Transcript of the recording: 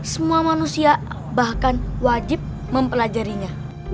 semua manusia bahkan wajib mempelajarinya